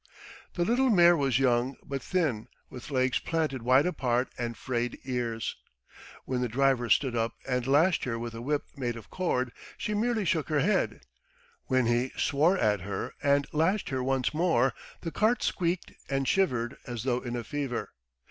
The little mare was young, but thin, with legs planted wide apart and frayed ears. When the driver stood up and lashed her with a whip made of cord, she merely shook her head; when he swore at her and lashed her once more, the cart squeaked and shivered as though in a fever.